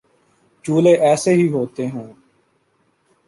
چولہے ایسے ہی ہوتے ہوں